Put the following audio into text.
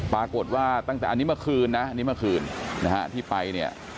ปรากฏว่าตั้งแต่อันนี้เมื่อคืนนะอันนี้เมื่อคืนนะฮะที่ไปเนี่ย